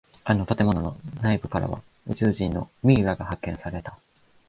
あの建物の内部からは宇宙人のミイラが発見された。